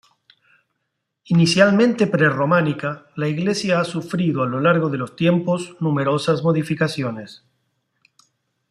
Inicialmente prerrománica, la iglesia ha sufrido a lo largo de los tiempos numerosas modificaciones.